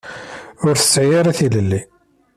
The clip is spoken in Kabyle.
Ur tesɛi ara tilelli.